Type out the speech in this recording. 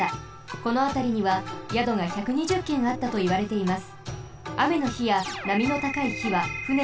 このあたりには宿が１２０軒あったといわれています。